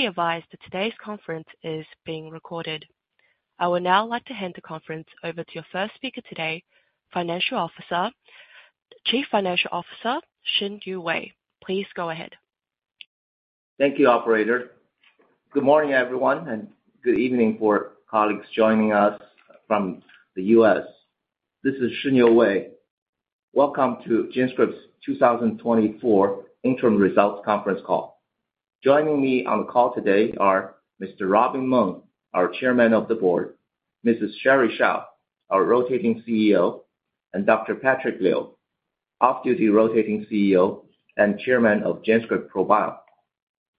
Please be advised that today's conference is being recorded. I would now like to hand the conference over to your first speaker today, Chief Financial Officer Shiniu Wei. Please go ahead. Thank you, Operator. Good morning, everyone, and good evening for colleagues joining us from the U.S. This is Shiniu Wei. Welcome to GenScript's 2024 Interim Results Conference Call. Joining me on the call today are Mr. Robin Meng, our Chairman of the Board; Mrs. Sherry Shao, our Rotating CEO; and Dr. Patrick Liu, Off-Duty Rotating CEO and Chairman of GenScript ProBio.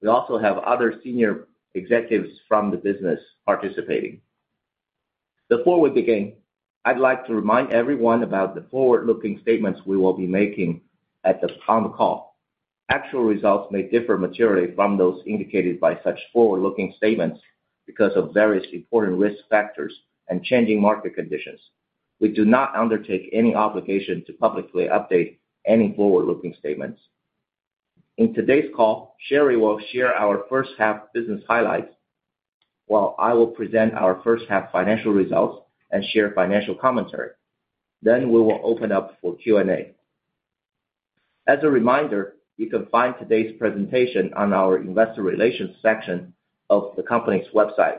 We also have other senior executives from the business participating. Before we begin, I'd like to remind everyone about the forward-looking statements we will be making on the call. Actual results may differ materially from those indicated by such forward-looking statements because of various important risk factors and changing market conditions. We do not undertake any obligation to publicly update any forward-looking statements. In today's call, Sherry will share our first-half business highlights, while I will present our first-half financial results and share financial commentary. Then we will open up for Q&A. As a reminder, you can find today's presentation on our Investor Relations section of the company's website.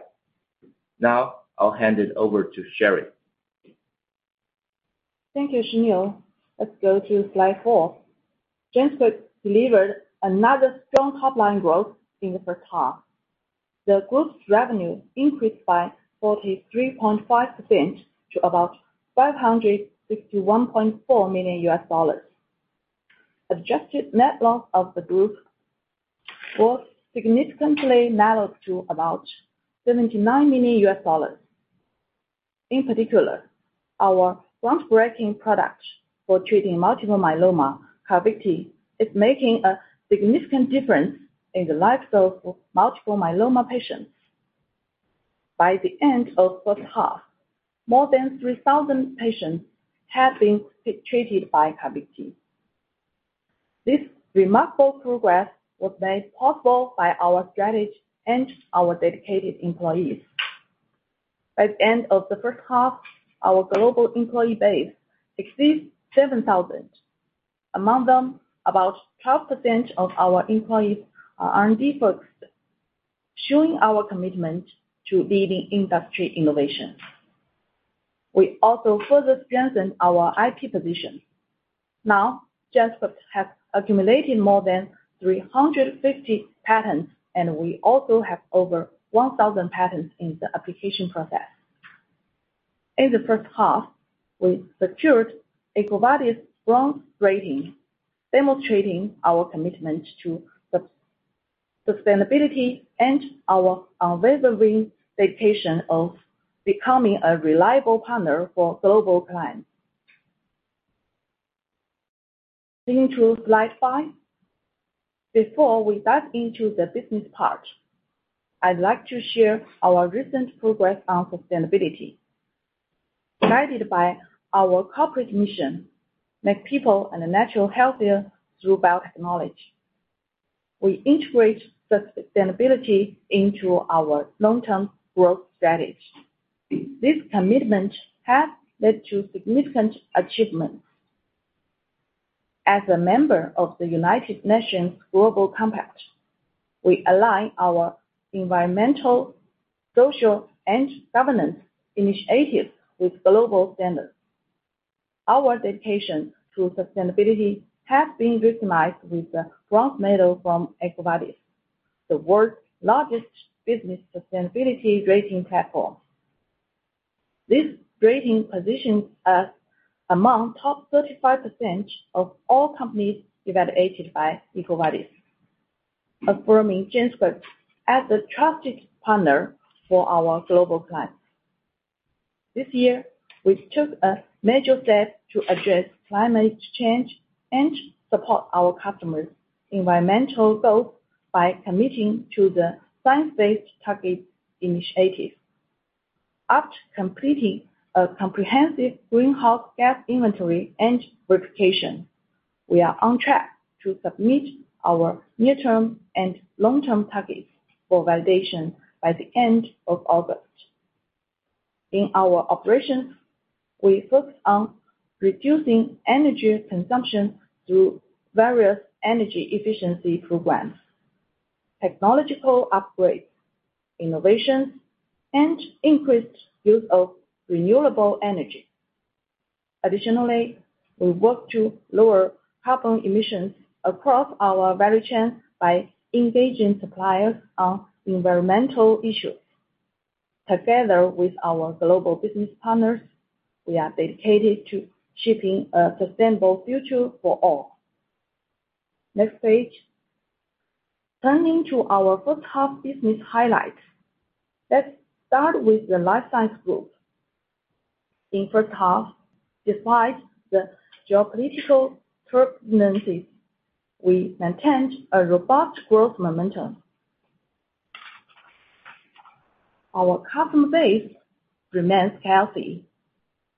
Now, I'll hand it over to Sherry. Thank you, Shiniu. Let's go to slide 4. GenScript delivered another strong top-line growth in the first half. The group's revenue increased by 43.5% to about $561.4 million. Adjusted net loss of the group was significantly narrowed to about $79 million. In particular, our groundbreaking product for treating multiple myeloma, Carvykti, is making a significant difference in the lifestyle for multiple myeloma patients. By the end of the first half, more than 3,000 patients had been treated by Carvykti. This remarkable progress was made possible by our strategy and our dedicated employees. By the end of the first half, our global employee base exceeded 7,000. Among them, about 12% of our employees are R&D-focused, showing our commitment to leading industry innovation. We also further strengthened our IP position. Now, GenScript has accumulated more than 350 patents, and we also have over 1,000 patents in the application process. In the first half, we secured EcoVadis' bronze rating, demonstrating our commitment to sustainability and our unwavering dedication to becoming a reliable partner for global clients. Leading to slide five. Before we dive into the business part, I'd like to share our recent progress on sustainability. Guided by our corporate mission, "Make people and nature healthier through biotechnology," we integrate sustainability into our long-term growth strategy. This commitment has led to significant achievements. As a member of the United Nations Global Compact, we align our environmental, social, and governance initiatives with global standards. Our dedication to sustainability has been recognized with the Bronze Medal from EcoVadis, the world's largest business sustainability rating platform. This rating positions us among the top 35% of all companies evaluated by EcoVadis, affirming GenScript as a trusted partner for our global clients. This year, we took a major step to address climate change and support our customers' environmental goals by committing to the science-based target initiative. After completing a comprehensive greenhouse gas inventory and verification, we are on track to submit our near-term and long-term targets for validation by the end of August. In our operations, we focus on reducing energy consumption through various energy efficiency programs, technological upgrades, innovations, and increased use of renewable energy. Additionally, we work to lower carbon emissions across our value chain by engaging suppliers on environmental issues. Together with our global business partners, we are dedicated to shaping a sustainable future for all. Next page. Turning to our first-half business highlights, let's start with the Life Science Group. In the first half, despite the geopolitical turbulences, we maintained a robust growth momentum. Our customer base remains healthy.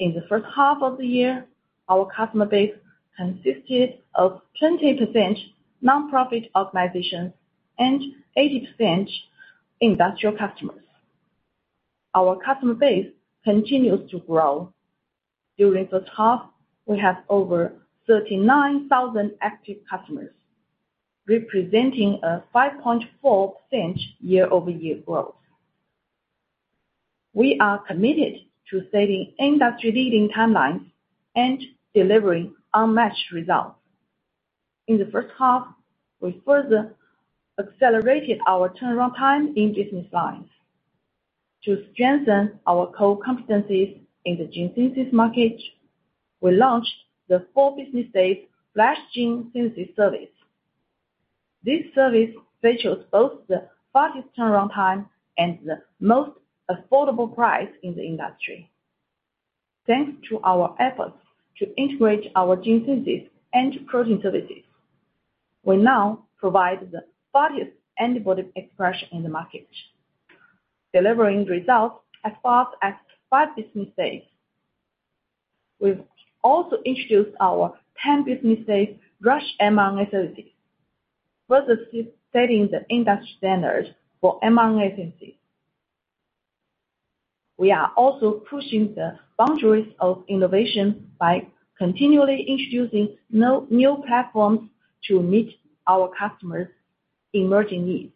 In the first half of the year, our customer base consisted of 20% nonprofit organizations and 80% industrial customers. Our customer base continues to grow. During the first half, we had over 39,000 active customers, representing a 5.4% year-over-year growth. We are committed to setting industry-leading timelines and delivering unmatched results. In the first half, we further accelerated our turnaround time in business lines. To strengthen our core competencies in the gene synthesis market, we launched the 4-business-day FlashGene synthesis service. This service features both the fastest turnaround time and the most affordable price in the industry. Thanks to our efforts to integrate our gene synthesis and protein services, we now provide the fastest antibody expression in the market, delivering results as fast as five business days. We've also introduced our 10-Business Days Rush mRNA facility, further setting the industry standards for mRNA synthesis. We are also pushing the boundaries of innovation by continually introducing new platforms to meet our customers' emerging needs.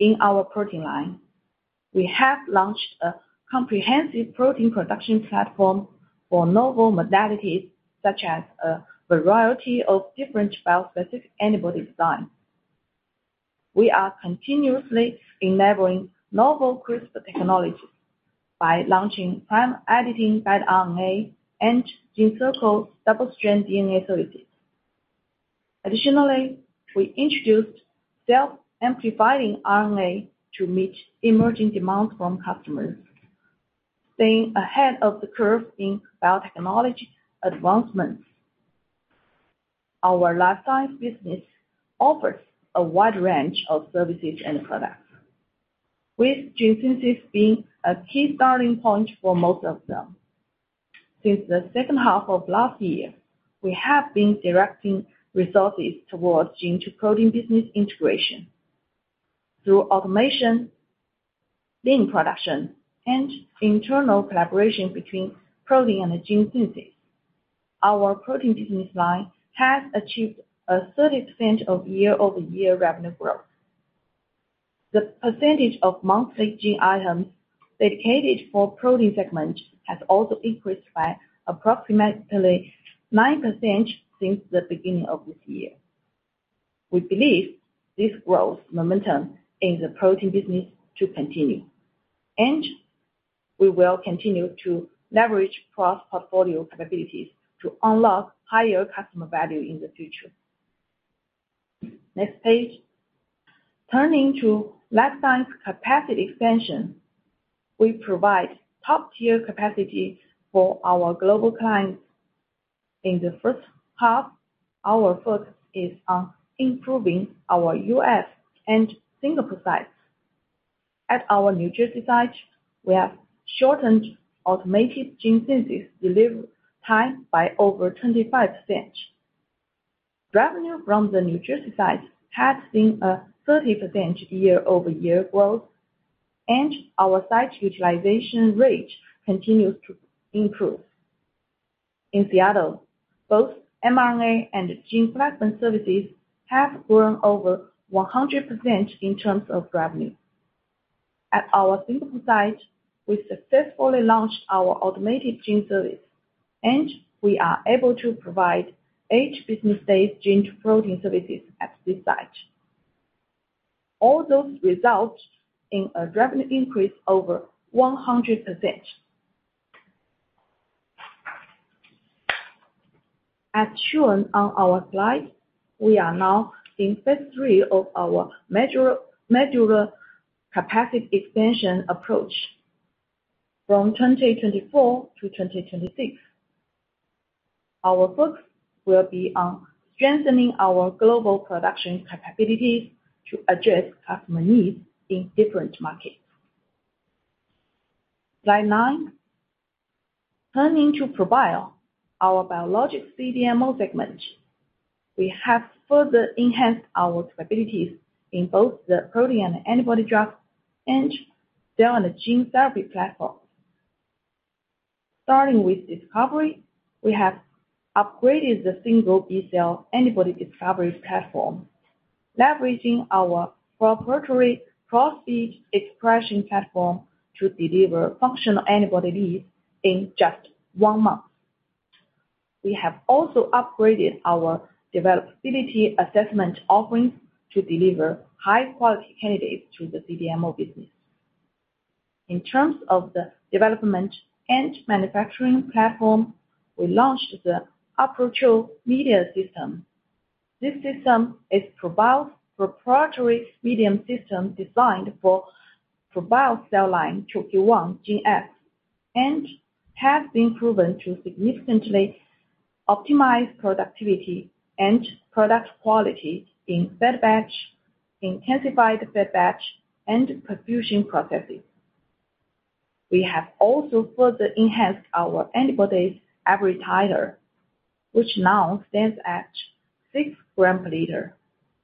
In our protein line, we have launched a comprehensive protein production platform for novel modalities, such as a variety of different bispecific antibody designs. We are continuously enabling novel CRISPR technologies by launching Prime Editing pegRNA and GenCircle double-strand DNA facilities. Additionally, we introduced self-amplifying RNA to meet emerging demands from customers, staying ahead of the curve in biotechnology advancements. Our life science business offers a wide range of services and products, with gene synthesis being a key starting point for most of them. Since the second half of last year, we have been directing resources towards gene-to-protein business integration. Through automation, gene production, and internal collaboration between protein and gene synthesis, our protein business line has achieved a 30% year-over-year revenue growth. The percentage of monthly gene items dedicated for protein segments has also increased by approximately 9% since the beginning of this year. We believe this growth momentum in the protein business to continue, and we will continue to leverage cross-portfolio capabilities to unlock higher customer value in the future. Next page. Turning to life science capacity expansion, we provide top-tier capacity for our global clients. In the first half, our focus is on improving our U.S. and Singapore sites. At our New Jersey site, we have shortened automated gene synthesis delivery time by over 25%. Revenue from the New Jersey site has seen a 30% year-over-year growth, and our site utilization rate continues to improve. In Seattle, both mRNA and gene synthesis services have grown over 100% in terms of revenue. At our Singapore site, we successfully launched our automated gene service, and we are able to provide 8 business days gene-to-protein services at this site. All those result in a revenue increase of over 100%. As shown on our slide, we are now in phase III of our modular capacity expansion approach from 2024 to 2026. Our focus will be on strengthening our global production capabilities to address customer needs in different markets. Slide 9. Turning to ProBio, our biologics CDMO segment, we have further enhanced our capabilities in both the protein and antibody drug and cell and gene therapy platforms. Starting with discovery, we have upgraded the single B-cell antibody discovery platform, leveraging our proprietary cross-species expression platform to deliver functional antibody leads in just 1 month. We have also upgraded our developability assessment offerings to deliver high-quality candidates to the CDMO business. In terms of the development and manufacturing platform, we launched the PowerCHO media system. This system is ProBio's proprietary medium system designed for ProBio cell line CHOK1 GenS and has been proven to significantly optimize productivity and product quality in fed-batch, intensified fed-batch, and perfusion processes. We have also further enhanced our antibodies average titer, which now stands at 6 grams per liter,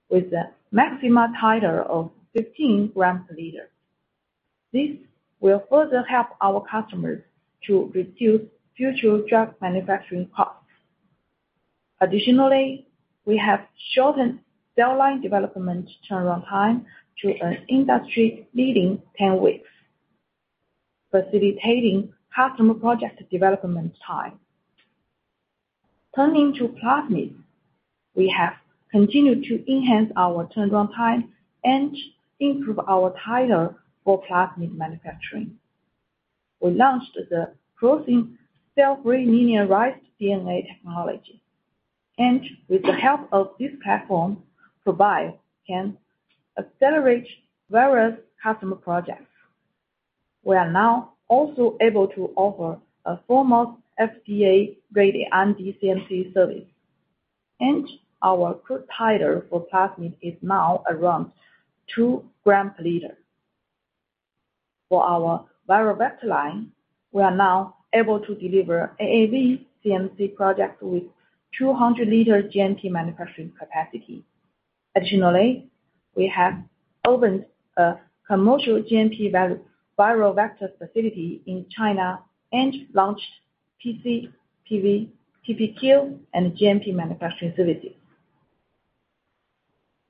with a maximum titer of 15 grams per liter. This will further help our customers to reduce future drug manufacturing costs. Additionally, we have shortened cell line development turnaround time to an industry-leading 10 weeks, facilitating customer project development time. Turning to plasmids, we have continued to enhance our turnaround time and improve our titer for plasmid manufacturing. We launched the protein cell-free linearized DNA technology, and with the help of this platform, ProBio can accelerate various customer projects. We are now also able to offer a 4-month FDA-rated R&D CMC service, and our crude titer for plasmid is now around 2 grams per liter. For our viral vector line, we are now able to deliver AAV CMC projects with 200-liter GMP manufacturing capacity. Additionally, we have opened a commercial GMP viral vector facility in China and launched PC, PV, PPQ, and GMP manufacturing services.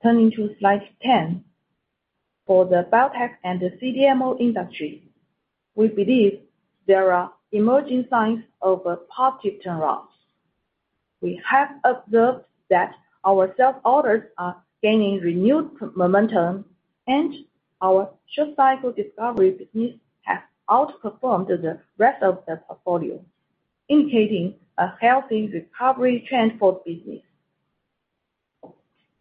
Turning to slide 10. For the biotech and the CDMO industry, we believe there are emerging signs of positive turnarounds. We have observed that our cell orders are gaining renewed momentum, and our short-cycle discovery business has outperformed the rest of the portfolio, indicating a healthy recovery trend for the business.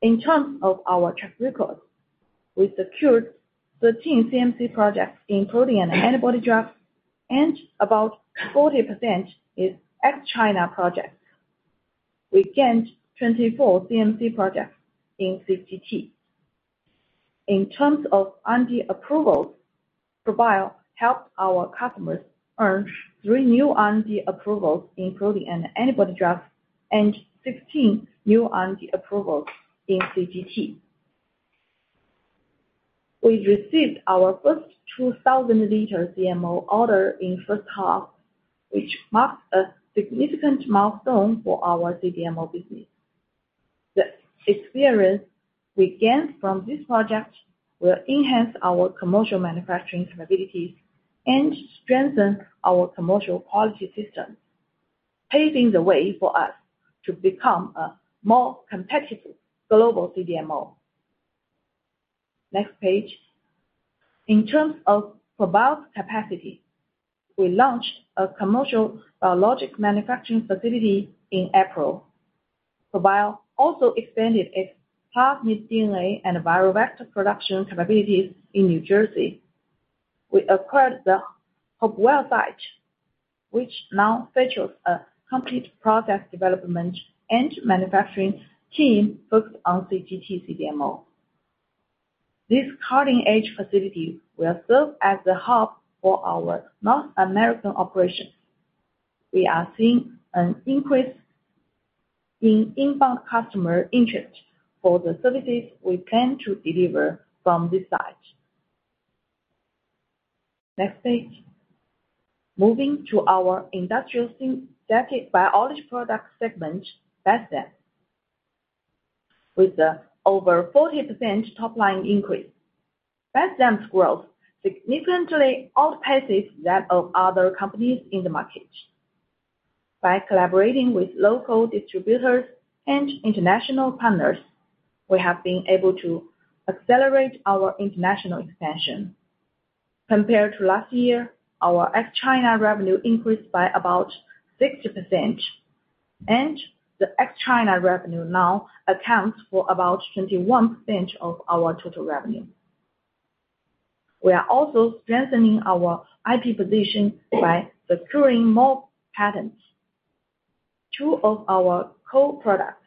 In terms of our track record, we secured 13 CMC projects in protein and antibody drugs, and about 40% is ex-China projects. We gained 24 CMC projects in CGT. In terms of R&D approvals, ProBio helped our customers earn three new R&D approvals in protein and antibody drugs and 16 new R&D approvals in CGT. We received our first 2,000-liter CMO order in the first half, which marks a significant milestone for our CDMO business. The experience we gained from this project will enhance our commercial manufacturing capabilities and strengthen our commercial quality systems, paving the way for us to become a more competitive global CDMO. Next page. In terms of ProBio's capacity, we launched a commercial biologic manufacturing facility in April. ProBio also expanded its plasmid DNA and viral vector production capabilities in New Jersey. We acquired the Hopewell site, which now features a complete process development and manufacturing team focused on CGT CDMO. This cutting-edge facility will serve as a hub for our North American operations. We are seeing an increase in inbound customer interest for the services we plan to deliver from this site. Next page. Moving to our industrial synthetic biology product segment, Bestzyme. With an over 40% top-line increase, Bestzyme's growth significantly outpaces that of other companies in the market. By collaborating with local distributors and international partners, we have been able to accelerate our international expansion. Compared to last year, our ex-China revenue increased by about 60%, and the ex-China revenue now accounts for about 21% of our total revenue. We are also strengthening our IP position by securing more patents. Two of our core products,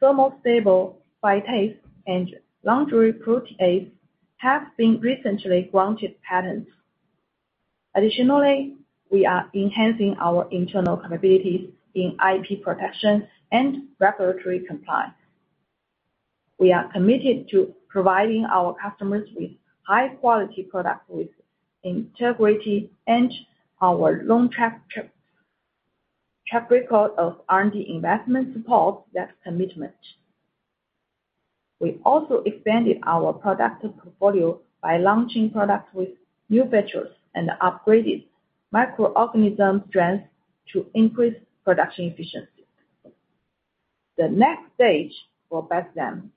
Thermostable Phytase and Laundry Protease, have been recently granted patents. Additionally, we are enhancing our internal capabilities in IP protection and regulatory compliance. We are committed to providing our customers with high-quality products with integrity and our long track record of R&D investment supports that commitment. We also expanded our product portfolio by launching products with new features and upgraded microorganism strength to increase production efficiency. The next stage for Bestzyme,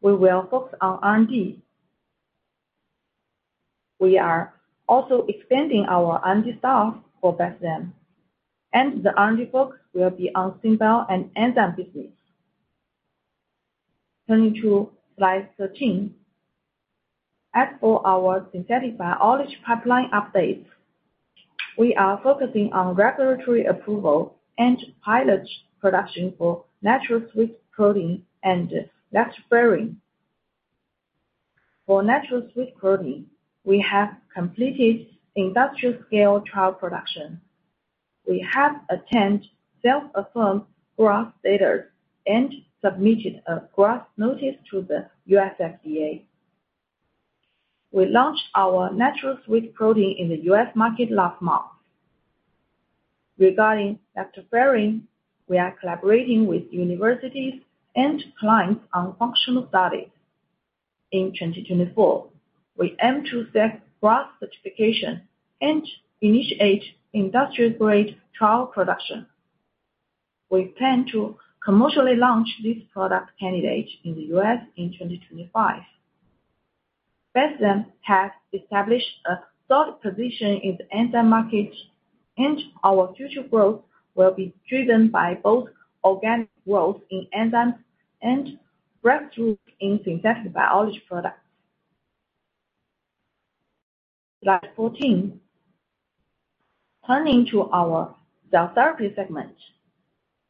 we will focus on R&D. We are also expanding our R&D staff for Bestzyme, and the R&D focus will be on synthetic enzyme business. Turning to slide 13. As for our synthetic biology pipeline updates, we are focusing on regulatory approval and pilot production for natural sweet protein and lactoferrin. For natural sweet protein, we have completed industrial-scale trial production. We have obtained self-affirmed GRAS status and submitted a GRAS notice to the U.S. FDA. We launched our natural sweet protein in the U.S. market last month. Regarding Lactoferrin, we are collaborating with universities and clients on functional studies. In 2024, we aim to set growth certification and initiate industrial-grade trial production. We plan to commercially launch this product candidate in the U.S. in 2025. Bestzyme has established a solid position in the enzyme market, and our future growth will be driven by both organic growth in enzymes and breakthrough in synthetic biology products. Slide 14. Turning to our cell therapy segment,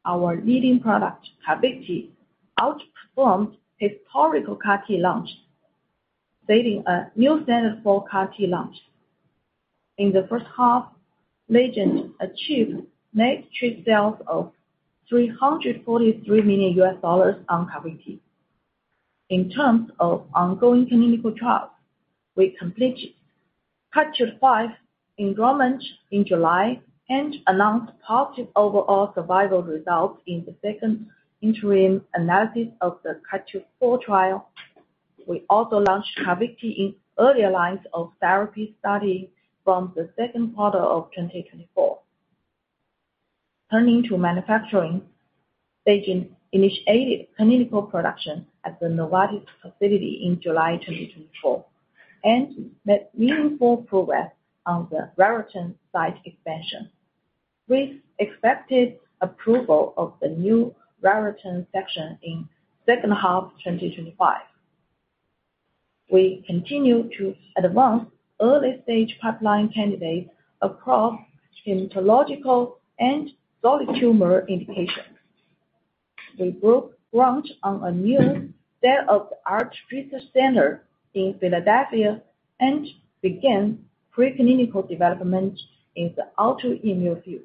our leading product, Carvykti, outperformed historical CAR-T launch, setting a new standard for CAR-T launch. In the first half, Legend achieved net revenues of $343 million on Carvykti. In terms of ongoing clinical trials, we captured five enrollments in July and announced positive overall survival results in the second interim analysis of the CARTITUDE-4 trial. We also launched Carvykti in early lines of therapy study from the second quarter of 2024. Turning to manufacturing, Legend initiated clinical production at the Novartis facility in July 2024 and made meaningful progress on the Raritan site expansion, with expected approval of the new Raritan section in the second half of 2025. We continue to advance early-stage pipeline candidates across hematological and solid tumor indications. We broke ground on a new state-of-the-art research center in Philadelphia and began preclinical development in the autoimmune field.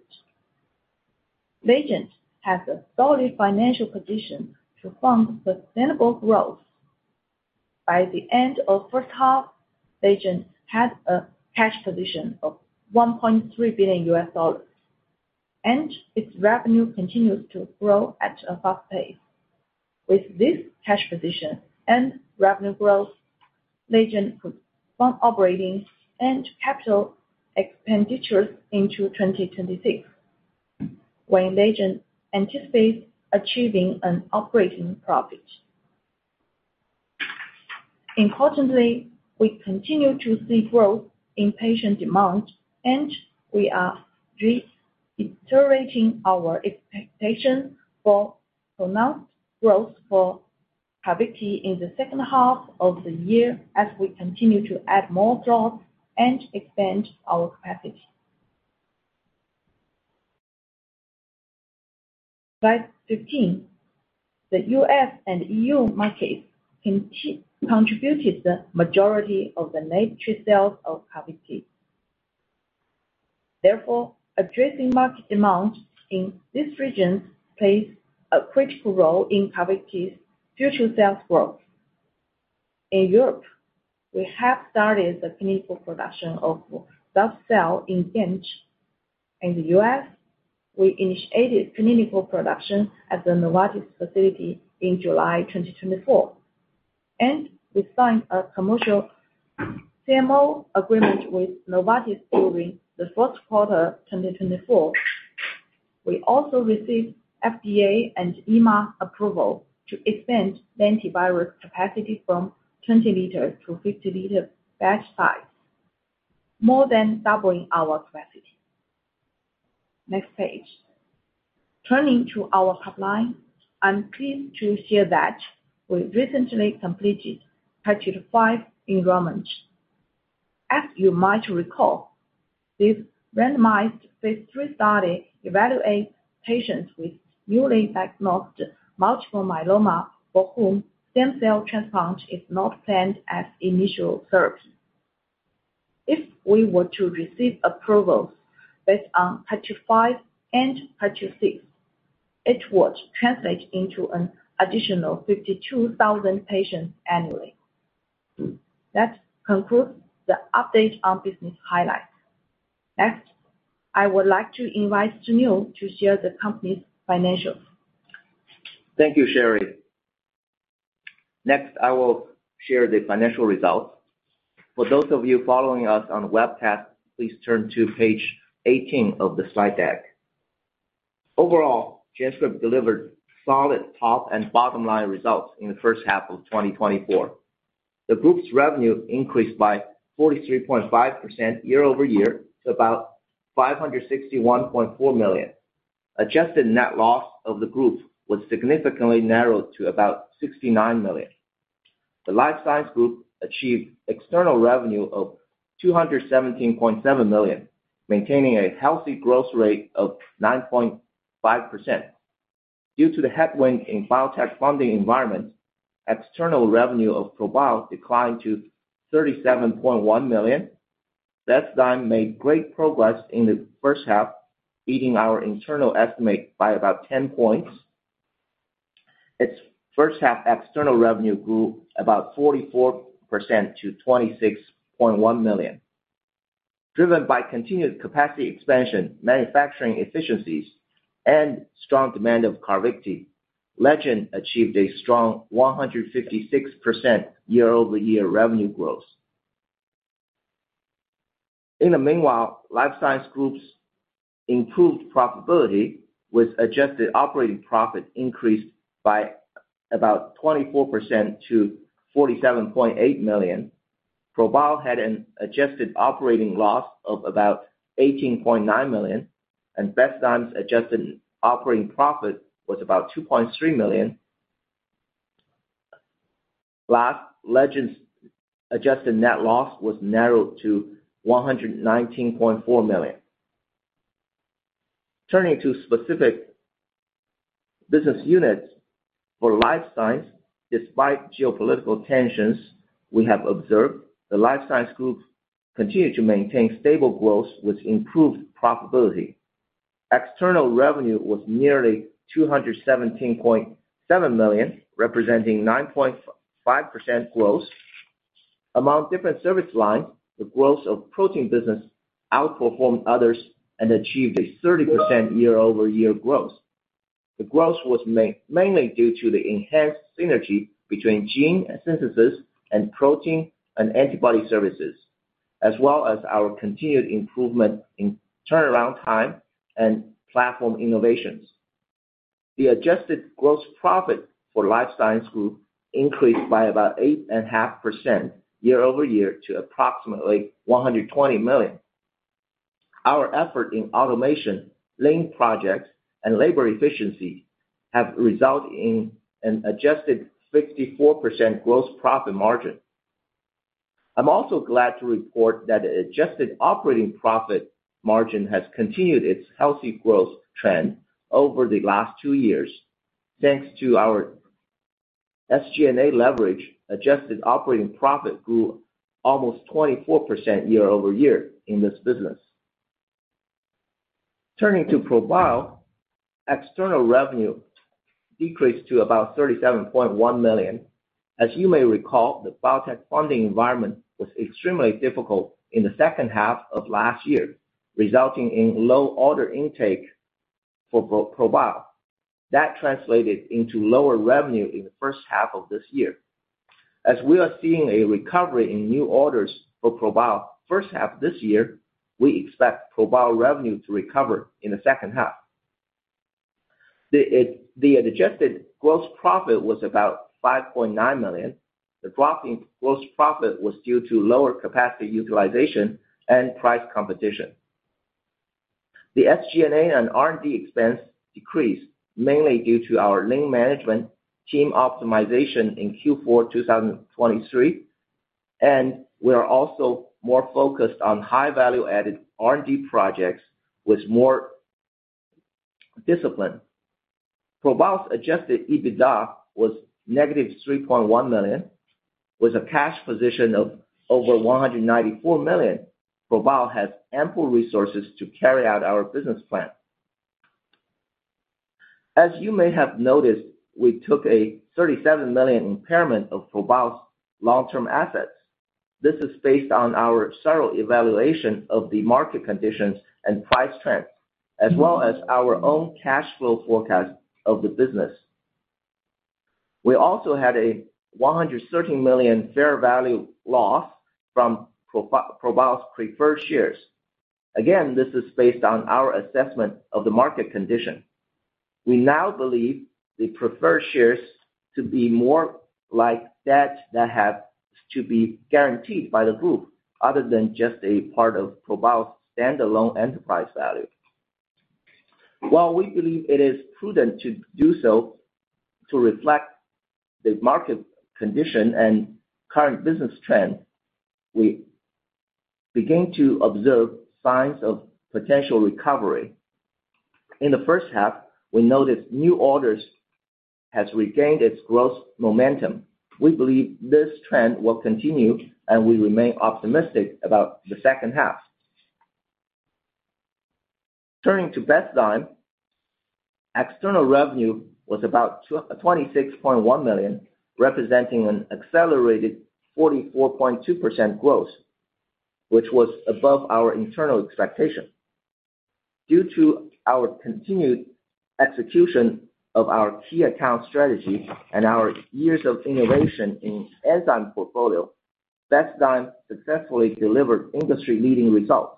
Legend has a solid financial position to fund sustainable growth. By the end of the first half, Legend had a cash position of $1.3 billion, and its revenue continues to grow at a fast pace. With this cash position and revenue growth, Legend could fund operating and capital expenditures into 2026, when Legend anticipates achieving an operating profit. Importantly, we continue to see growth in patient demand, and we are reiterating our expectation for pronounced growth for Carvykti in the second half of the year as we continue to add more slots and expand our capacity. Slide 15. The U.S. and EU markets contributed the majority of the net trade sales of Carvykti. Therefore, addressing market demand in this region plays a critical role in Carvykti's future sales growth. In Europe, we have started the clinical production of cilta-cel in Ghent. In the U.S., we initiated clinical production at the Novartis facility in July 2024, and we signed a commercial CMO agreement with Novartis during the first quarter of 2024. We also received FDA and EMA approval to expand the lentivirus capacity from 20 liters to 50-liter batch size, more than doubling our capacity. Next page. Turning to our pipeline, I'm pleased to share that we recently completed CARTITUDE-5 enrollment. As you might recall, this randomized phase III study evaluates patients with newly diagnosed multiple myeloma for whom stem cell transplant is not planned as initial therapy. If we were to receive approvals based on CARTITUDE-5 and CARTITUDE-6, it would translate into an additional 52,000 patients annually. That concludes the update on business highlights. Next, I would like to invite Shiniu to share the company's financials. Thank you, Sherry. Next, I will share the financial results. For those of you following us on webcast, please turn to page 18 of the slide deck. Overall, GenScript delivered solid top and bottom-line results in the first half of 2024. The group's revenue increased by 43.5% year over year to about $561.4 million. Adjusted net loss of the group was significantly narrowed to about $69 million. The life science group achieved external revenue of $217.7 million, maintaining a healthy growth rate of 9.5%. Due to the headwind in biotech funding environment, external revenue of ProBio declined to $37.1 million. Bestzyme made great progress in the first half, beating our internal estimate by about 10 points. Its first-half external revenue grew about 44% to $26.1 million. Driven by continued capacity expansion, manufacturing efficiencies, and strong demand of Carvykti, Legend achieved a strong 156% year-over-year revenue growth. In the meanwhile, life science group's improved profitability with adjusted operating profit increased by about 24% to $47.8 million. ProBio had an adjusted operating loss of about $18.9 million, and Bestzyme's adjusted operating profit was about $2.3 million. Last, Legend's adjusted net loss was narrowed to $119.4 million. Turning to specific business units, for life science, despite geopolitical tensions we have observed, the life science group continued to maintain stable growth with improved profitability. External revenue was nearly $217.7 million, representing 9.5% growth. Among different service lines, the growth of protein business outperformed others and achieved a 30% year-over-year growth. The growth was mainly due to the enhanced synergy between gene synthesis and protein and antibody services, as well as our continued improvement in turnaround time and platform innovations. The adjusted gross profit for life science group increased by about 8.5% year-over-year to approximately $120 million. Our effort in automation, lean projects, and labor efficiency have resulted in an adjusted 54% gross profit margin. I'm also glad to report that the adjusted operating profit margin has continued its healthy growth trend over the last two years. Thanks to our SG&A leverage, adjusted operating profit grew almost 24% year-over-year in this business. Turning to ProBio, external revenue decreased to about $37.1 million. As you may recall, the biotech funding environment was extremely difficult in the second half of last year, resulting in low order intake for ProBio. That translated into lower revenue in the first half of this year. As we are seeing a recovery in new orders for ProBio first half this year, we expect ProBio revenue to recover in the second half. The adjusted gross profit was about $5.9 million. The drop in gross profit was due to lower capacity utilization and price competition. The SG&A and R&D expense decreased mainly due to our lean management team optimization in Q4 2023, and we are also more focused on high-value-added R&D projects with more discipline. ProBio's Adjusted EBITDA was -$3.1 million. With a cash position of over $194 million, ProBio has ample resources to carry out our business plan. As you may have noticed, we took a $37 million impairment of ProBio's long-term assets. This is based on our thorough evaluation of the market conditions and price trends, as well as our own cash flow forecast of the business. We also had a $113 million fair value loss from ProBio's preferred shares. Again, this is based on our assessment of the market condition. We now believe the preferred shares to be more like debt that has to be guaranteed by the group, other than just a part of ProBio's standalone enterprise value. While we believe it is prudent to do so to reflect the market condition and current business trend, we begin to observe signs of potential recovery. In the first half, we noticed new orders have regained its gross momentum. We believe this trend will continue, and we remain optimistic about the second half. Turning to Bestzyme, external revenue was about $26.1 million, representing an accelerated 44.2% growth, which was above our internal expectation. Due to our continued execution of our key account strategy and our years of innovation in enzyme portfolio, Bestzyme successfully delivered industry-leading results.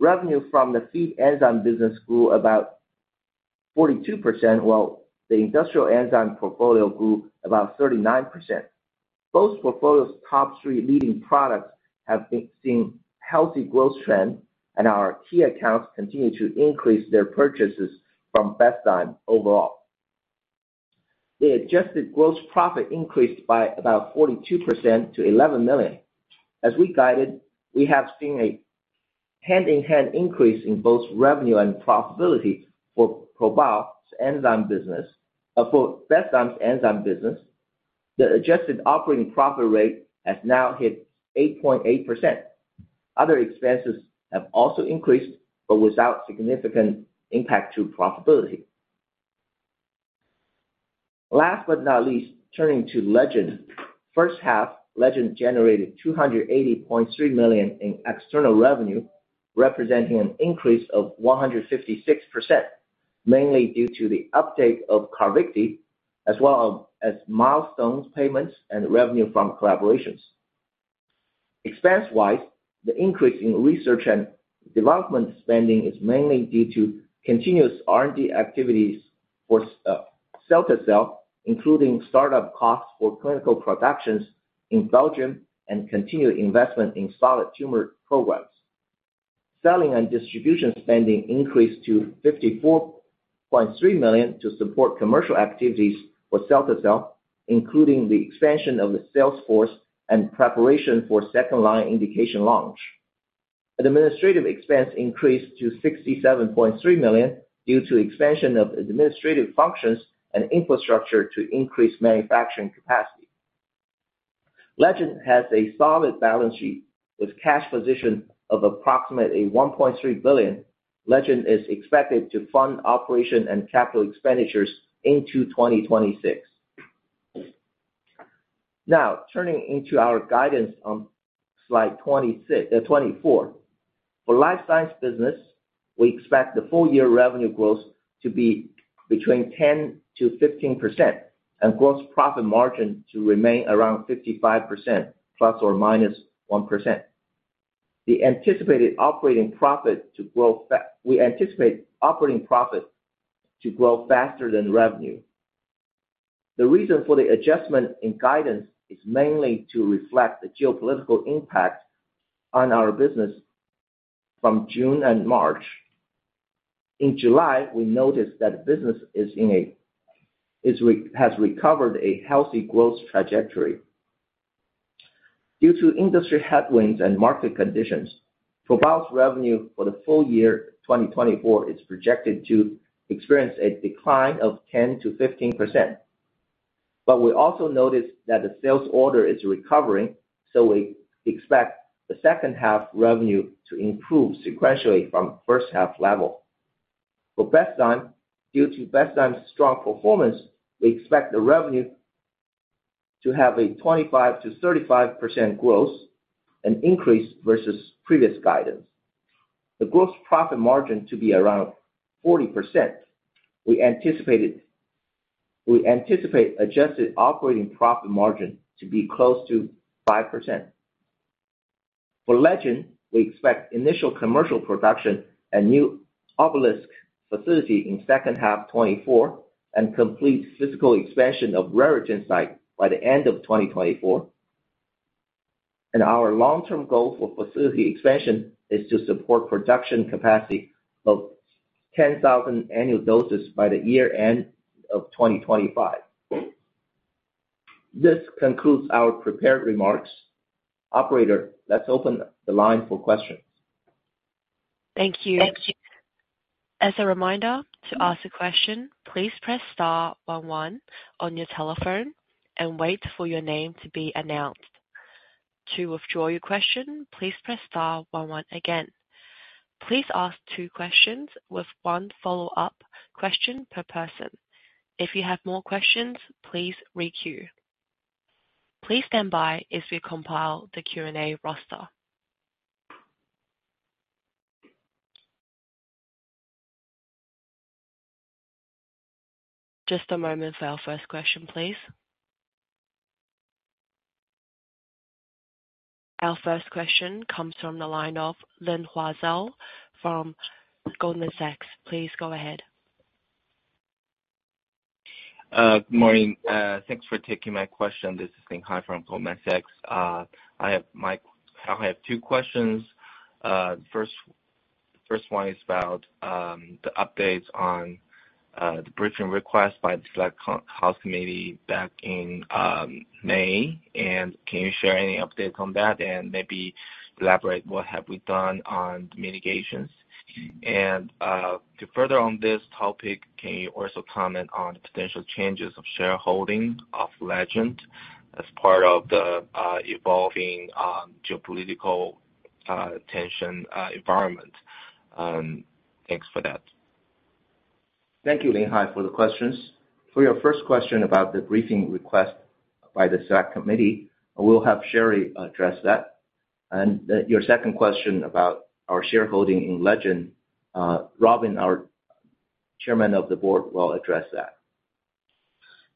Revenue from the feed enzyme business grew about 42%, while the industrial enzyme portfolio grew about 39%. Both portfolios' top three leading products have seen healthy growth trends, and our key accounts continue to increase their purchases from Bestzyme overall. The adjusted gross profit increased by about 42% to $11 million. As we guided, we have seen a hand-in-hand increase in both revenue and profitability for ProBio's enzyme business. For Bestzyme's enzyme business, the adjusted operating profit rate has now hit 8.8%. Other expenses have also increased, but without significant impact to profitability. Last but not least, turning to Legend, first half, Legend generated $280.3 million in external revenue, representing an increase of 156%, mainly due to the uptake of Carvykti, as well as milestone payments and revenue from collaborations. Expense-wise, the increase in research and development spending is mainly due to continuous R&D activities for CAR-T cell, including startup costs for clinical productions in Belgium and continued investment in solid tumor programs. Selling and distribution spending increased to $54.3 million to support commercial activities for CAR-T cell, including the expansion of the sales force and preparation for second-line indication launch. Administrative expense increased to $67.3 million due to expansion of administrative functions and infrastructure to increase manufacturing capacity. Legend has a solid balance sheet with cash position of approximately $1.3 billion. Legend is expected to fund operation and capital expenditures into 2026. Now, turning to our guidance on slide 24. For life science business, we expect the full-year revenue growth to be between 10%-15% and gross profit margin to remain around 55% ±1%. We anticipate operating profit to grow faster than revenue. The reason for the adjustment in guidance is mainly to reflect the geopolitical impact on our business from June and March. In July, we noticed that the business has recovered a healthy growth trajectory. Due to industry headwinds and market conditions, ProBio's revenue for the full year 2024 is projected to experience a decline of 10%-15%. But we also noticed that the sales order is recovering, so we expect the second-half revenue to improve sequentially from the first-half level. For Bestzyme, due to Bestzyme's strong performance, we expect the revenue to have a 25%-35% growth, an increase versus previous guidance. The gross profit margin to be around 40%. We anticipate adjusted operating profit margin to be close to 5%. For Legend, we expect initial commercial production at new Obelisc facility in second half 2024 and complete physical expansion of Raritan site by the end of 2024. Our long-term goal for facility expansion is to support production capacity of 10,000 annual doses by the year-end of 2025. This concludes our prepared remarks. Operator, let's open the line for questions. Thank you. Thank you. As a reminder, to ask a question, please press star one one on your telephone and wait for your name to be announced. To withdraw your question, please press star one one again. Please ask two questions with one follow-up question per person. If you have more questions, please re-queue. Please stand by as we compile the Q&A roster. Just a moment for our first question, please. Our first question comes from the line of Linhai from Goldman Sachs. Please go ahead. Good morning. Thanks for taking my question. This is Linhai from Goldman Sachs. I have two questions. The first one is about the updates on the briefing request by the Select Committee back in May. And can you share any updates on that and maybe elaborate what have we done on the mitigations? And to further on this topic, can you also comment on the potential changes of shareholding of Legend as part of the evolving geopolitical tension environment? Thanks for that. Thank you, Linhai, for the questions. For your first question about the briefing request by the Select Committee, we'll have Sherry address that. And your second question about our shareholding in Legend, Robin, our chairman of the board, will address that.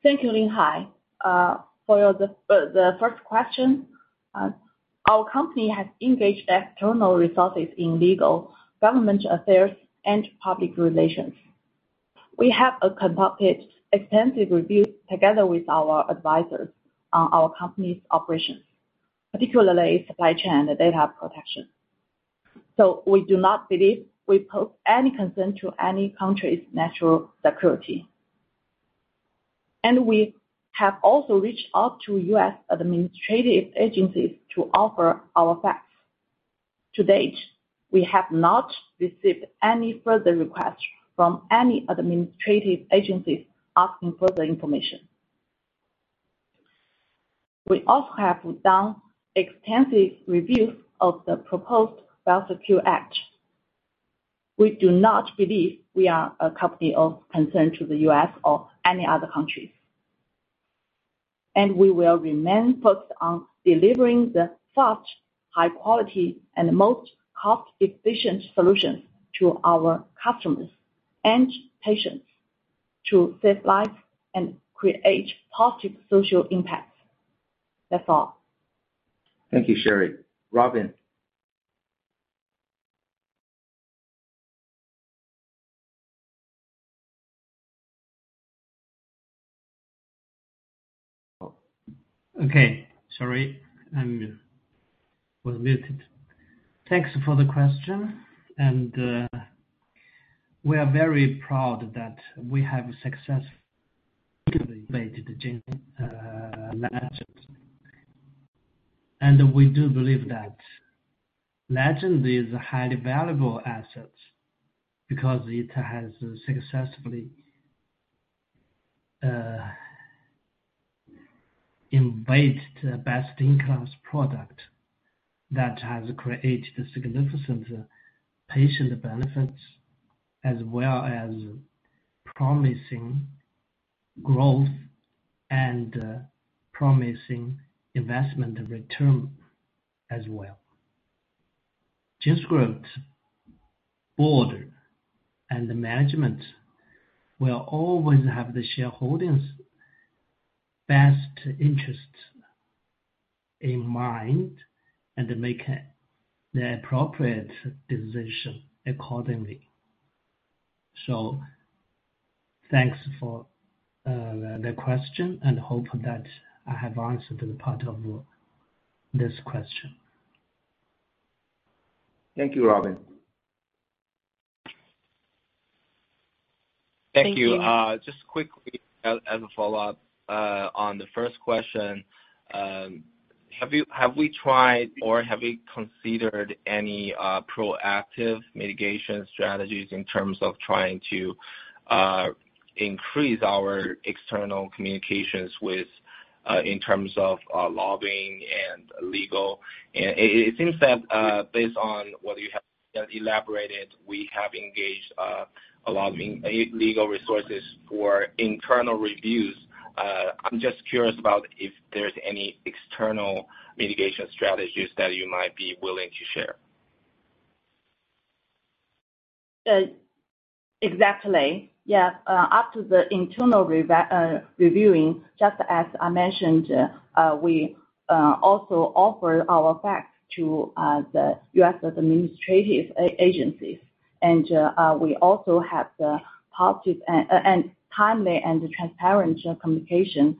Thank you, Linhai. For the first question, our company has engaged external resources in legal, government affairs, and public relations. We have conducted extensive reviews together with our advisors on our company's operations, particularly supply chain and data protection. We do not believe we pose any concern to any country's national security. We have also reached out to U.S. administrative agencies to offer our facts. To date, we have not received any further requests from any administrative agencies asking for the information. We also have done extensive reviews of the proposed BIOSECURE Act. We do not believe we are a company of concern to the U.S. or any other countries. We will remain focused on delivering the fast, high-quality, and most cost-efficient solutions to our customers and patients to save lives and create positive social impacts. That's all. Thank you, Sherry. Robin. Okay. Sorry, I was muted. Thanks for the question. We are very proud that we have successfully invested in Legend. And we do believe that Legend is a highly valuable asset because it has successfully developed the best-in-class product that has created significant patient benefits as well as promising growth and promising investment return as well. The board and management will always have the shareholders' best interests in mind and make the appropriate decision accordingly. So thanks for the question, and I hope that I have answered the part of this question. Thank you, Robin. Thank you. Just quickly as a follow-up on the first question, have we tried or have we considered any proactive mitigation strategies in terms of trying to increase our external communications in terms of lobbying and legal? It seems that based on what you have elaborated, we have engaged a lot of legal resources for internal reviews. I'm just curious about if there's any external mitigation strategies that you might be willing to share? Exactly. Yes. After the internal reviewing, just as I mentioned, we also offer our facts to the U.S. administrative agencies. And we also have the positive and timely and transparent communication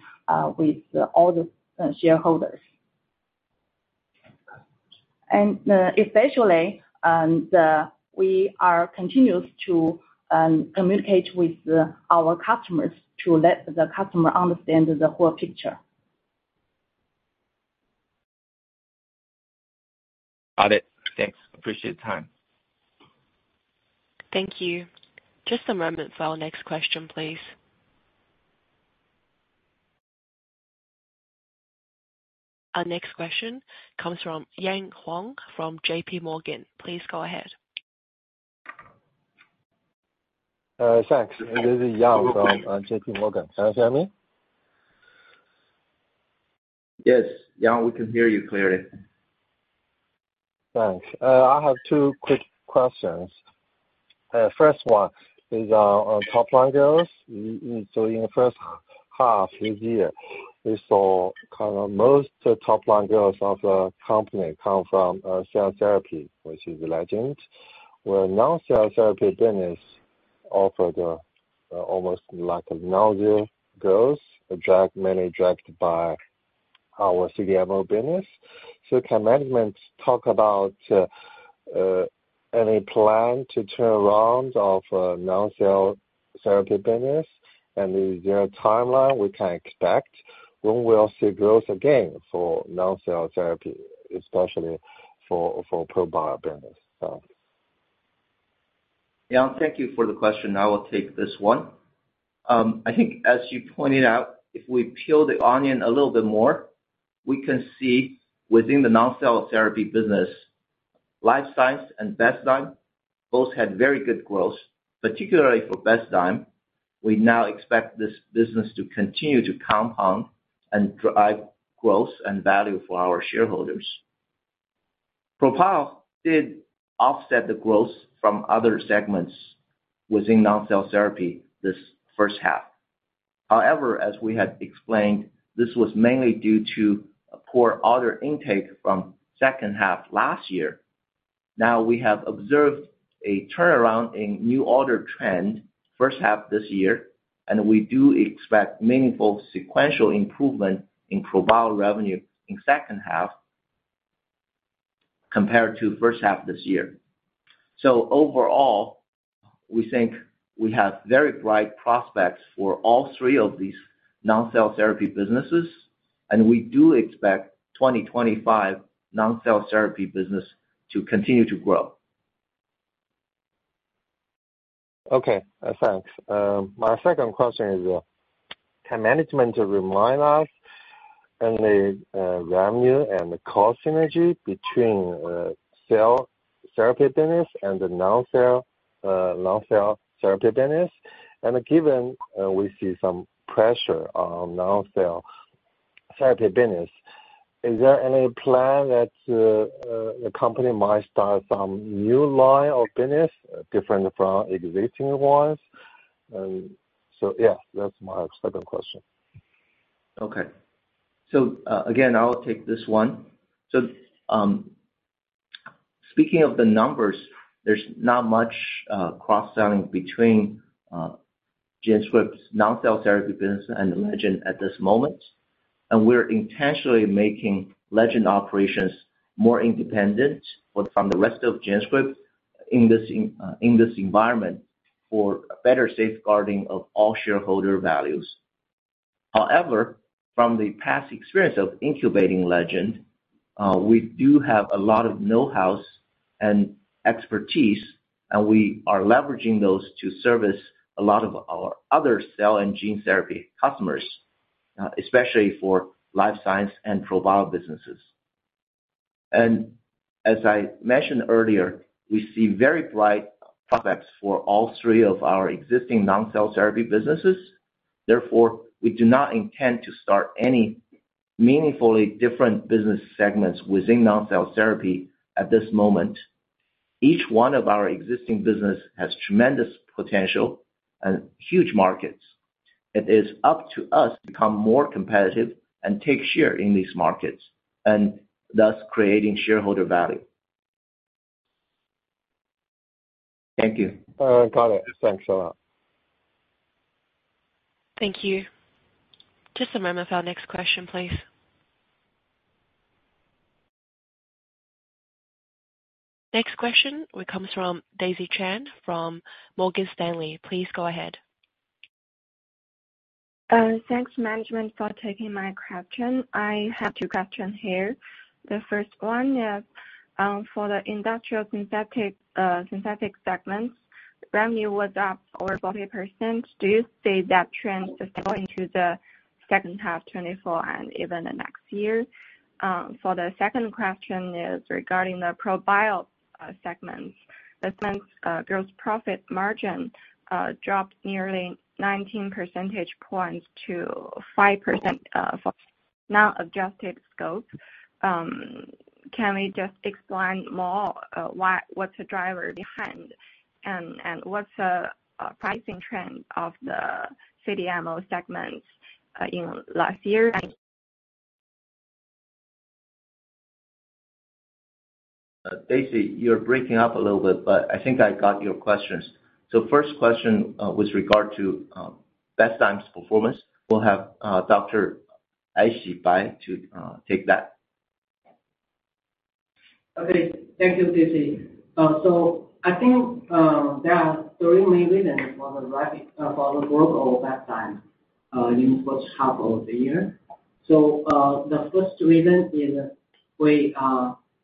with all the shareholders. And especially, we continue to communicate with our customers to let the customer understand the whole picture. Got it. Thanks. Appreciate the time. Thank you. Just a moment for our next question, please. Our next question comes from Yang Huang from J.P. Morgan. Please go ahead. Thanks. This is Yang from J.P. Morgan. Can you hear me? Yes. Yang, we can hear you clearly. Thanks. I have two quick questions. First one is on top-line growth. So in the first half this year, we saw kind of most top-line growth of the company come from cell therapy, which is Legend, where non-cell therapy business offered almost like no growth, mainly driven by our CDMO business. So can management talk about any plan to turn around of non-cell therapy business? And is there a timeline we can expect when we'll see growth again for non-cell therapy, especially for ProBio business? Yang, thank you for the question. I will take this one. I think as you pointed out, if we peel the onion a little bit more, we can see within the non-cell therapy business, Life Science and Bestzyme both had very good growth, particularly for Bestzyme. We now expect this business to continue to compound and drive growth and value for our shareholders. ProBio did offset the growth from other segments within non-cell therapy this first half. However, as we had explained, this was mainly due to poor order intake from second half last year. Now, we have observed a turnaround in new order trend first half this year, and we do expect meaningful sequential improvement in ProBio revenue in second half compared to first half this year. So overall, we think we have very bright prospects for all three of these non-cell therapy businesses, and we do expect 2025 non-cell therapy business to continue to grow. Okay. Thanks. My second question is, can management remind us of the revenue and the cost synergy between cell therapy business and the non-cell therapy business? And given we see some pressure on non-cell therapy business, is there any plan that the company might start some new line of business different from existing ones? So yes, that's my second question. Okay. So again, I'll take this one. So speaking of the numbers, there's not much cross-selling between GenScript's non-cell therapy business and Legend at this moment. And we're intentionally making Legend operations more independent from the rest of GenScript in this environment for better safeguarding of all shareholder values. However, from the past experience of incubating Legend, we do have a lot of know-hows and expertise, and we are leveraging those to service a lot of our other cell and gene therapy customers, especially for Life Science and ProBio businesses. And as I mentioned earlier, we see very bright prospects for all three of our existing non-cell therapy businesses. Therefore, we do not intend to start any meaningfully different business segments within non-cell therapy at this moment. Each one of our existing businesses has tremendous potential and huge markets. It is up to us to become more competitive and take share in these markets, and thus creating shareholder value. Thank you. Got it. Thanks a lot. Thank you. Just a moment for our next question, please. Next question comes from Daisy Chen from Morgan Stanley. Please go ahead. Thanks, management, for taking my question. I have two questions here. The first one is, for the industrial synthetic segments, revenue was up over 40%. Do you see that trend going to the second half 2024 and even the next year? For the second question is regarding the ProBio segments. Segment's gross profit margin dropped nearly 19 percentage points to 5% for non-adjusted scope. Can we just explain more what's the driver behind and what's the pricing trend of the CDMO segments in last year? Thank you. Daisy, you're breaking up a little bit, but I think I got your questions. So first question with regard to Bestzyme's performance. We'll have Dr. Aixi Bai to take that. Okay. Thank you, Daisy. So I think there are three main reasons for the growth of Bestzyme in the first half of the year. So the first reason is we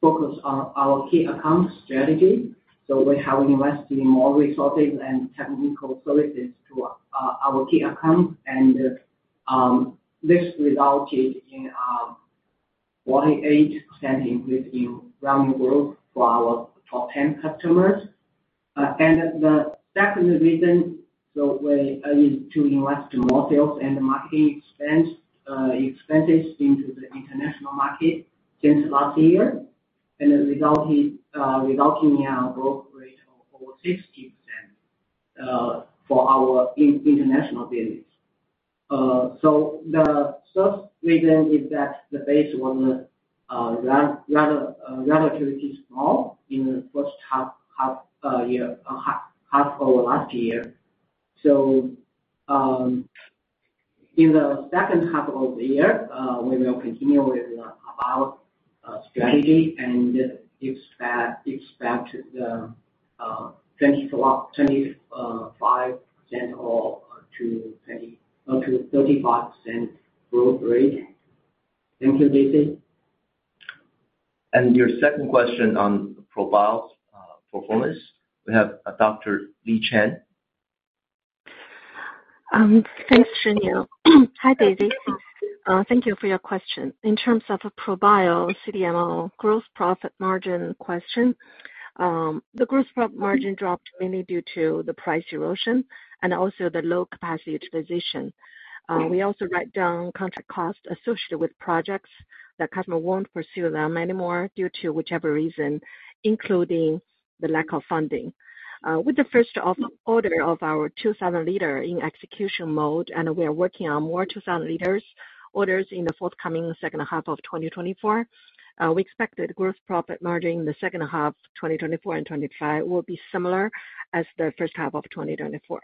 focus on our key account strategy. So we have invested in more resources and technical services to our key accounts, and this resulted in 48% increase in revenue growth for our top 10 customers. And the second reason is to invest in more sales and marketing expenses into the international market since last year, and resulting in a growth rate of over 60% for our international business. So the first reason is that the base was relatively small in the first half over last year. So in the second half of the year, we will continue with our strategy and expect the 25%-35% growth rate. Thank you, Daisy. And your second question on ProBio's performance, we have Dr. Li Chen. Thanks, Shiniu. Hi, Daisy. Thank you for your question. In terms of ProBio CDMO gross profit margin question, the gross profit margin dropped mainly due to the price erosion and also the low capacity utilization. We also write down contract costs associated with projects that customers won't pursue them anymore due to whichever reason, including the lack of funding. With the first order of our 2,000 liters in execution mode, and we are working on more 2,000 liters orders in the forthcoming second half of 2024, we expect that the gross profit margin in the second half, 2024 and 2025, will be similar as the first half of 2024.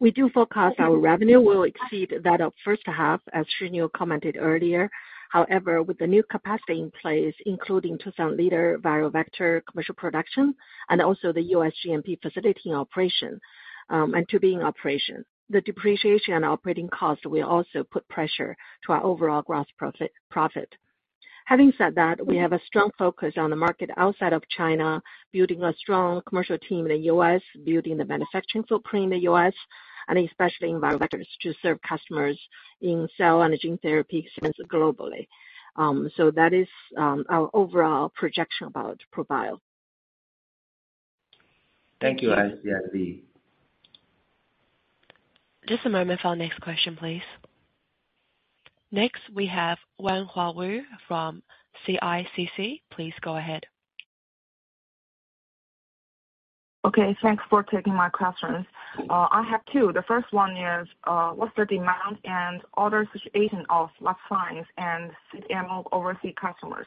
We do forecast our revenue will exceed that of first half, as Shiniu commented earlier. However, with the new capacity in place, including 2,000-liter viral vector commercial production and also the US GMP facility in operation and to be in operation, the depreciation and operating costs will also put pressure to our overall gross profit. Having said that, we have a strong focus on the market outside of China, building a strong commercial team in the U.S., building the manufacturing footprint in the U.S., and especially in viral vectors to serve customers in cell and gene therapy segments globally. So that is our overall projection about ProBio. Thank you, .Aixi and Li. Just a moment for our next question, please. Next, we have Yuhang Wu from CICC. Please go ahead. Okay. Thanks for taking my questions. I have two. The first one is, what's the demand and order situation of Life Science and CDMO overseas customers?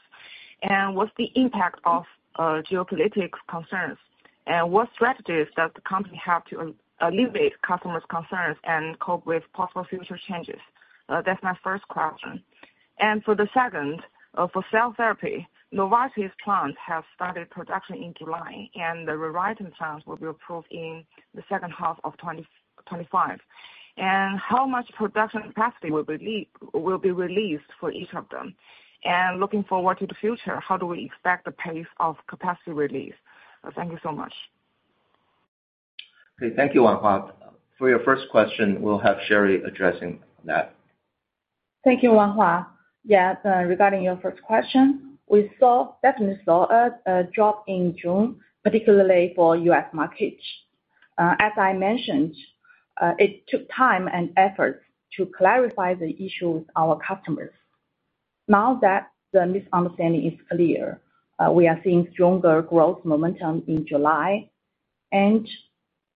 And what's the impact of geopolitical concerns? And what strategies does the company have to alleviate customers' concerns and cope with possible future changes? That's my first question. And for the second, for cell therapy, Novartis plants have started production in July, and the PPQ plans will be approved in the second half of 2025. And how much production capacity will be released for each of them? And looking forward to the future, how do we expect the pace of capacity release? Thank you so much. Okay. Thank you, Yuhang Wu. For your first question, we'll have Sherry addressing that. Thank you, Yuhang Wu. Yes, regarding your first question, we definitely saw a drop in June, particularly for U.S. markets. As I mentioned, it took time and effort to clarify the issue with our customers. Now that the misunderstanding is clear, we are seeing stronger growth momentum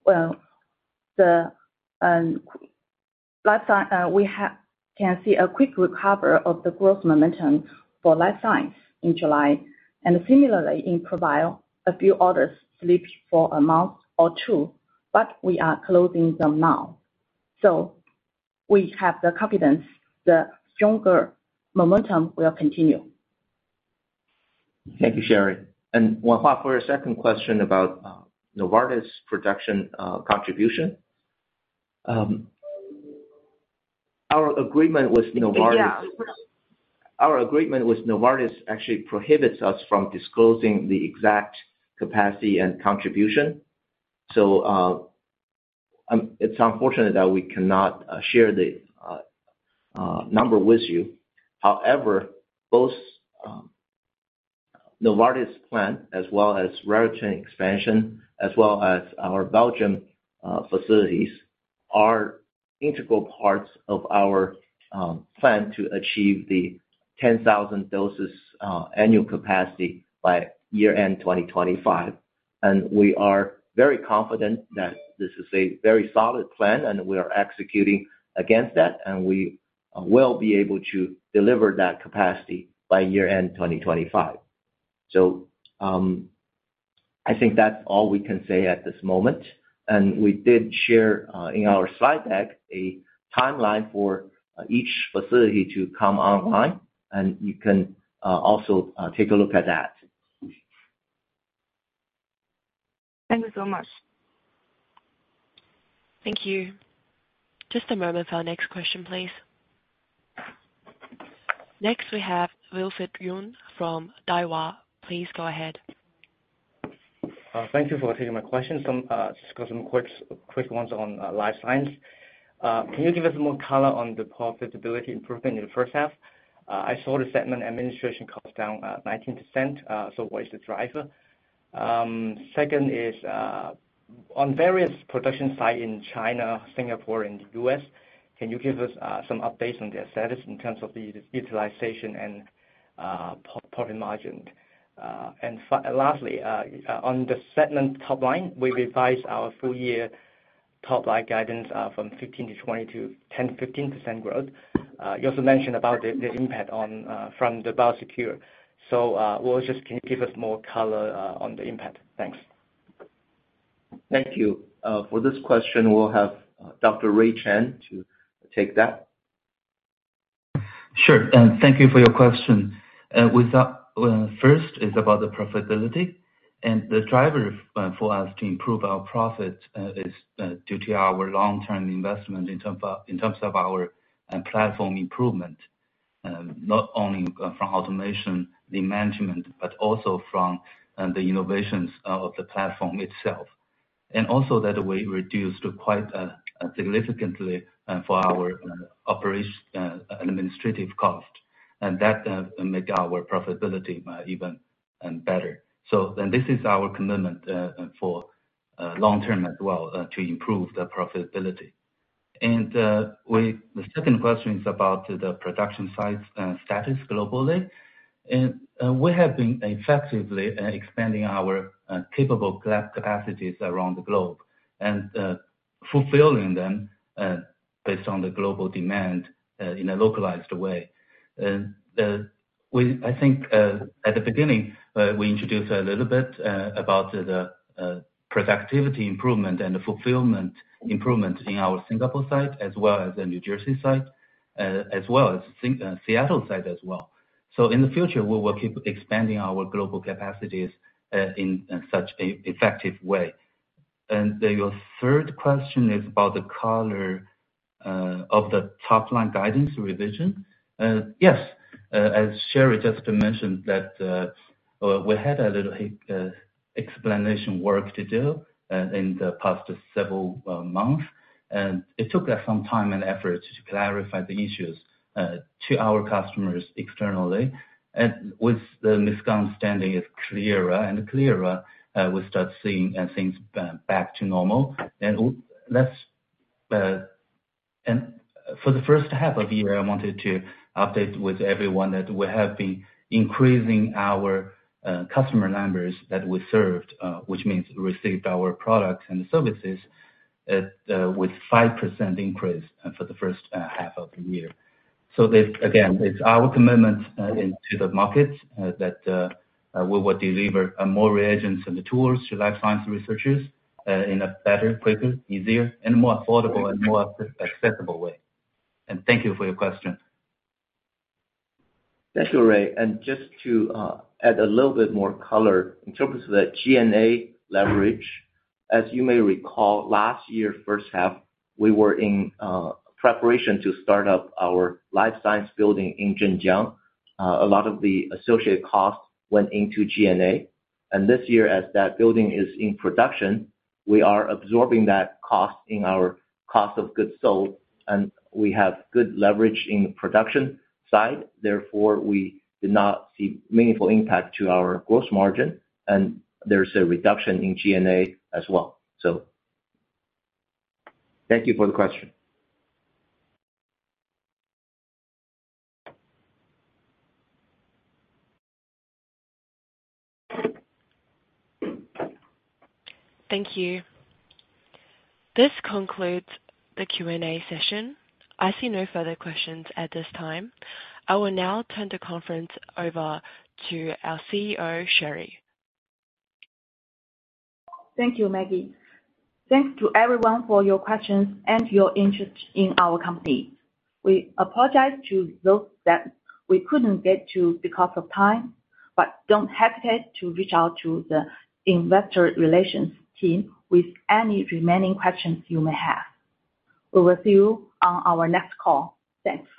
in July. We can see a quick recovery of the growth momentum for Life Science in July. Similarly, in ProBio, a few orders slipped for a month or two, but we are closing them now. We have the confidence the stronger momentum will continue. Thank you, Sherry. Yuhang Wu, for your second question about Novartis production contribution, our agreement with Novartis actually prohibits us from disclosing the exact capacity and contribution. It's unfortunate that we cannot share the number with you. However, both Novartis plant, as well as Raritan expansion, as well as our Belgium facilities, are integral parts of our plan to achieve the 10,000 doses annual capacity by year-end 2025. We are very confident that this is a very solid plan, and we are executing against that, and we will be able to deliver that capacity by year-end 2025. I think that's all we can say at this moment. We did share in our slide deck a timeline for each facility to come online, and you can also take a look at that. Thank you so much. Thank you. Just a moment for our next question, please. Next, we have Wilfred Yuen from Daiwa. Please go ahead. Thank you for taking my question. Just got some quick ones on Life Science. Can you give us more color on the profitability improvement in the first half? I saw the segment administration cost down 19%. What is the driver? Second is, on various production sites in China, Singapore, and the U.S., can you give us some updates on their status in terms of the utilization and profit margin? And lastly, on the segment top line, we revise our full-year top line guidance from 15%-20% to 10%-15% growth. You also mentioned about the impact from the BioSecure. So just can you give us more color on the impact? Thanks. Thank you. For this question, we'll have Dr. Ray Chen to take that. Sure. Thank you for your question. First is about the profitability. And the driver for us to improve our profit is due to our long-term investment in terms of our platform improvement, not only from automation, the management, but also from the innovations of the platform itself. And also that we reduced quite significantly for our administrative cost. And that makes our profitability even better. This is our commitment for long-term as well to improve the profitability. The second question is about the production site status globally. We have been effectively expanding our capable gap capacities around the globe and fulfilling them based on the global demand in a localized way. I think at the beginning, we introduced a little bit about the productivity improvement and the fulfillment improvement in our Singapore site, as well as the New Jersey site, as well as Seattle site as well. In the future, we will keep expanding our global capacities in such an effective way. Your third question is about the color of the top line guidance revision. Yes. As Sherry just mentioned, we had a little explanation work to do in the past several months. It took some time and effort to clarify the issues to our customers externally. With the misunderstanding clearer and clearer, we start seeing things back to normal. For the first half of the year, I wanted to update with everyone that we have been increasing our customer numbers that we served, which means received our products and services with 5% increase for the first half of the year. So again, it's our commitment into the markets that we will deliver more reagents and the tools to life science researchers in a better, quicker, easier, and more affordable, and more accessible way. And thank you for your question. Thank you, Ray. And just to add a little bit more color in terms of the SG&A leverage. As you may recall, last year's first half, we were in preparation to start up our life science building in Zhenjiang. A lot of the associated costs went into SG&A. This year, as that building is in production, we are absorbing that cost in our cost of goods sold. We have good leverage in the production side. Therefore, we did not see meaningful impact to our gross margin. There's a reduction in G&A as well. So thank you for the question. Thank you. This concludes the Q&A session. I see no further questions at this time. I will now turn the conference over to our CEO, Sherry. Thank you, Maggie. Thanks to everyone for your questions and your interest in our company. We apologize to those that we couldn't get to because of time, but don't hesitate to reach out to the investor relations team with any remaining questions you may have. We will see you on our next call. Thanks.